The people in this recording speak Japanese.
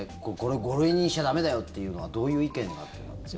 ５類にしちゃ駄目だよっていうのはどういう意見があってなんですか？